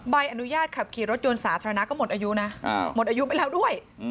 ใบอนุญาตขับขี่รถยนต์สาธารณะก็หมดอายุนะหมดอายุไปแล้วด้วย